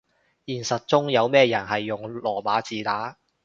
現實中有咩人係用羅馬字打